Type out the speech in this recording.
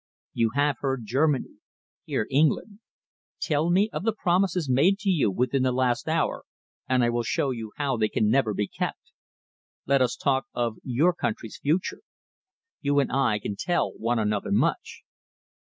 You have heard Germany. Hear England. Tell me of the promises made to you within the last hour, and I will show you how they can never be kept. Let us talk of your country's future. You and I can tell one another much."